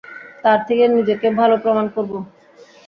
তার থেকে নিজেকে ভালো প্রমাণ করবো?